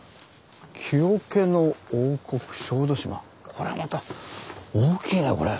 これまた大きいねこれ。